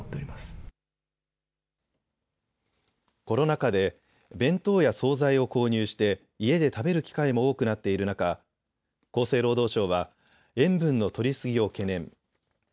コロナ禍で弁当や総菜を購入して家で食べる機会も多くなっている中、厚生労働省は塩分のとり過ぎを懸念。